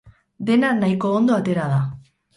Dena nahiko ondo atera da.